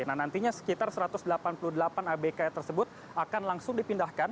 nah nantinya sekitar satu ratus delapan puluh delapan abk tersebut akan langsung dipindahkan